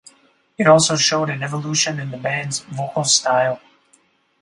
It also showed an evolution in the band's vocal style.